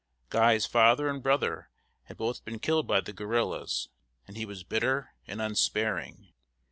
Guy's father and brother had both been killed by the guerrillas, and he was bitter and unsparing.